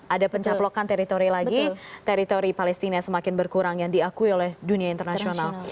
ada pencaplokan teritori lagi teritori palestina semakin berkurang yang diakui oleh dunia internasional